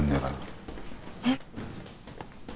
えっ。